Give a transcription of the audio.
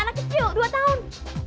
anak kecil dua tahun